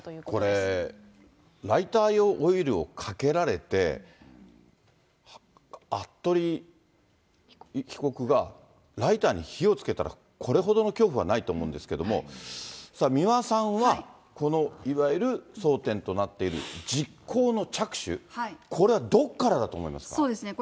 これ、ライター用オイルをかけられて、服部被告がライターに火をつけたら、これほどの恐怖はないと思うんですけれども、さあ、三輪さんは、このいわゆる争点となっている実行の着手、そうですね。